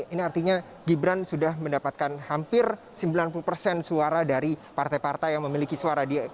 ini artinya gibran sudah mendapatkan hampir sembilan puluh persen suara dari partai partai yang memiliki suara